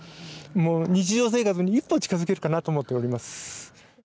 日常生活に一歩近づけるかなと思っております。